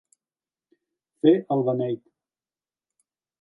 Fer el beneit.